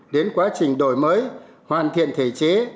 đến quá trình đổi mới hoàn thiện thể chế